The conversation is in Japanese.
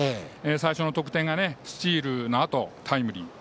最初の得点がスチールのあとタイムリー。